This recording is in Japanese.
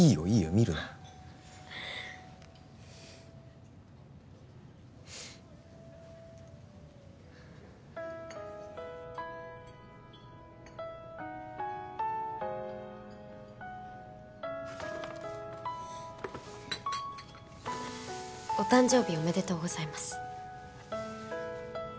見るなお誕生日おめでとうございます